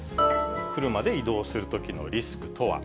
車で移動するときのリスクとは。